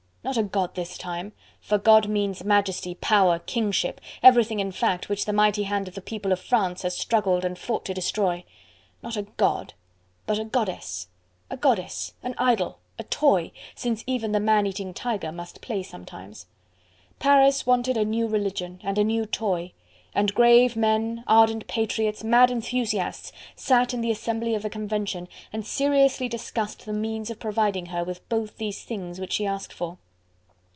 Not a God this time! for God means Majesty, Power, Kingship! everything in fact which the mighty hand of the people of France has struggled and fought to destroy. Not a God, but a goddess. A goddess! an idol! a toy! since even the man eating tiger must play sometimes. Paris wanted a new religion, and a new toy, and grave men, ardent patriots, mad enthusiasts, sat in the Assembly of the Convention and seriously discussed the means of providing her with both these things which she asked for.